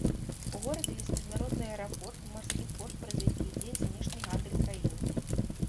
У горадзе ёсць міжнародны аэрапорт, марскі порт, праз які ідзе знешні гандаль краіны.